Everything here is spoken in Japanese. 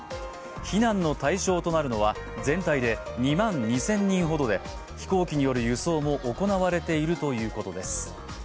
避難の対象となるのは全体で２万２０００人ほどで飛行機による輸送も行われているということです。